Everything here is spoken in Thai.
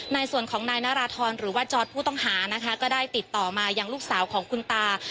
ในส่วนของนายนาราธรหรือว่าจอร์ดผู้ต้องหานะคะก็ได้ติดต่อมายังลูกสาวของคุณตา